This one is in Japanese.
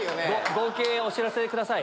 合計お知らせください。